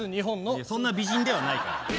いやそんな美人ではないから。